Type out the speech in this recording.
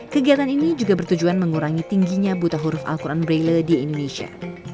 kegiatan ini juga bertujuan mengurangi tingginya buta huruf al quran braille di indonesia